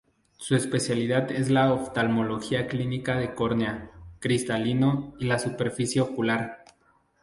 Su especialidad es la oftalmología clínica de córnea, cristalino y la superficie ocular.